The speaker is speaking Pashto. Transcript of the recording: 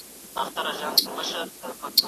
انسان کولای سي د ټولنیز واقعیت نوې څېره وویني.